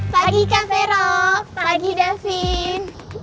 pagi kak fero pagi davin